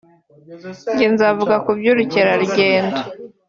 njye nzavuga ku by’ubukerarugendo